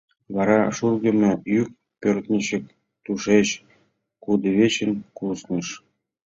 Вара шургымо йӱк пӧртӧнчык, тушеч кудывечыш кусныш.